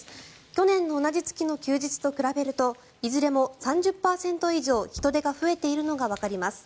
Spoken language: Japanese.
去年の同じ月の休日と比べるといずれも３０％以上人出が増えているのがわかります。